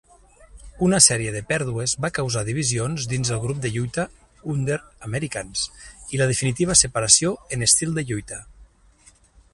Una sèrie de pèrdues va causar divisions dins el grup de lluita Under-Americans, i la definitiva separació en estil de lluita.